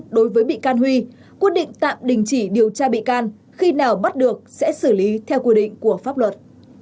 đối với bị can huy quyết định tạm đình chỉ điều tra bị can khi nào bắt được sẽ xử lý theo quy định của pháp luật